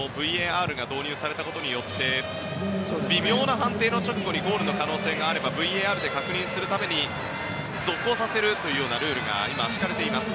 ＶＡＲが導入されたことによって微妙な判定の直後にゴールの可能性があればＶＡＲで確認するために続行させるというルールが今、敷かれています。